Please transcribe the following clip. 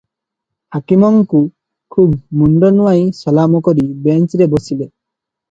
ହାକିମଙ୍କୁ ଖୁବ୍ ମୁଣ୍ଡ ନୁଆଁଇ ସଲାମ କରି ବେଞ୍ଚରେ ବସିଲେ ।